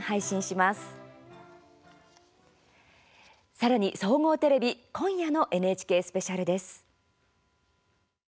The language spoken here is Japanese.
さらに、総合テレビ今夜のＮＨＫスペシャルです。